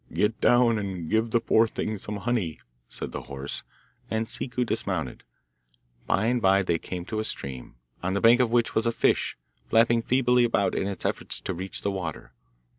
'Get down, and give the poor things some honey,' said the horse, and Ciccu dismounted. By and bye they came to a stream, on the bank of which was a fish, flapping feebly about in its efforts to reach the water.